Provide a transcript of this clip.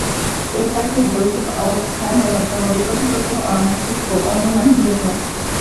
এই পাখির বৈশ্বিক অবস্থা ন্যূনতম বিপদগ্রস্ত, অনিশ্চিত ও অনুমান নির্ভর।